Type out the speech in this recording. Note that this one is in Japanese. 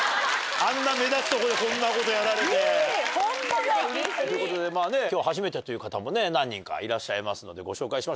あんな目立つとこでこんなことやられて。ということで今日初めてという方も何人かいらっしゃいますのでご紹介しましょう。